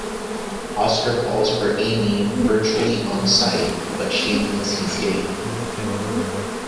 Oscar falls for Amy virtually on sight, but she thinks he's gay.